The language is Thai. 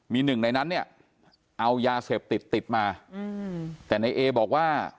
มีหนึ่งในนั้นเนี่ยเอายาเสพติดติดมาแต่ในเอบอกว่า